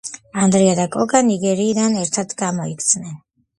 ანდრია და კოკა ნიგერიიდან ერთად გამოიქცნენ?